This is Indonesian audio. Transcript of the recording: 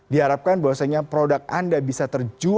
diharapkan bahwasanya produk anda bisa terjual cukup signifikan